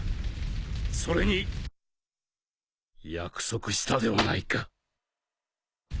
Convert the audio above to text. それに約束したではないか。